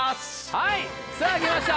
はいさぁ来ました。